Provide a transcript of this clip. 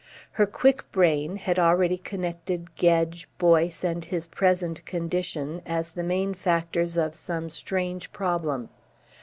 Her quick brain had already connected Gedge, Boyce, and his present condition as the main factors of some strange problem.